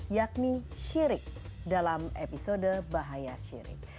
yakni syirik dalam episode bahaya syirik